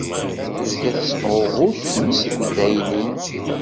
Tezga tessemɣuɣud tmes deg addaynin.